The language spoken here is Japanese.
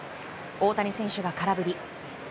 大谷選手が空振り。